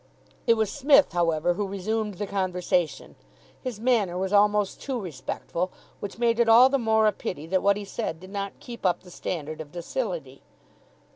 It was Psmith, however, who resumed the conversation. His manner was almost too respectful; which made it all the more a pity that what he said did not keep up the standard of docility.